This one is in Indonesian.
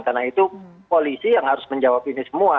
karena itu polisi yang harus menjawab ini semua